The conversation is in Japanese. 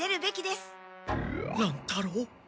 乱太郎。